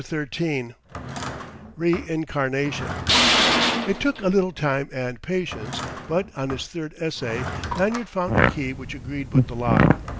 XIII REINCARNATION It took a little time and patience but, on his third essay, Lanyard found a key which agreed with the lock.